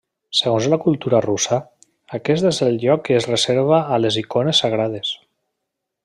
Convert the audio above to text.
Segons la cultura russa, aquest és el lloc que es reservava a les icones sagrades.